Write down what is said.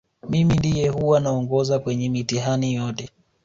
mimi ndiye huwa naongoza kwenye mitihani yote